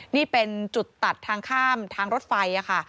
นี่เป็นจุดตัดทางข้ามทางรถไฟค่ะ